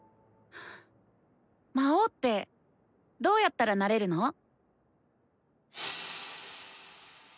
魔王ってどうやったらなれるの？